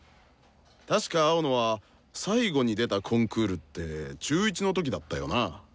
確か青野は最後に出たコンクールって中１の時だったよな？